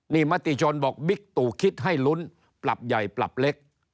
นี่มติชนบอกบิ๊กตู่คิดให้ลุ้นปรับใหญ่ปรับเล็ก